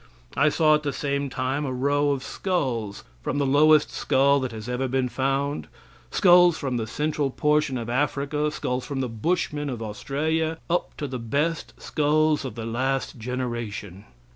I saw at the same time a row of skulls, from the lowest skull that has ever been found; skulls from the central portion of Africa, skulls from the bushmen of Australia, up to the best skulls of the last generation.